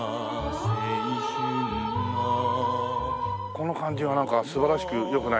この感じがなんか素晴らしく良くない？